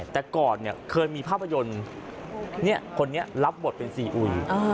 แต่ก่อนเนี่ยเคยมีภาพยนตร์คนนี้รับบทเป็นซีอุย